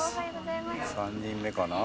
３人目かな？